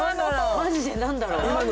マジで何だろう？